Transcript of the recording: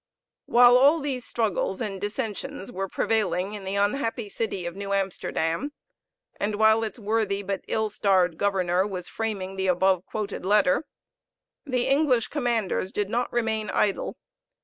While all these struggles and dissentions were prevailing in the unhappy city of New Amsterdam, and while its worthy but ill starred governor was framing the above quoted letter, the English commanders did not remain idle.